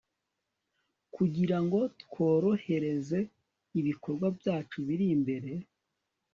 Kugirango tworohereze ibikorwa byacu biri imbere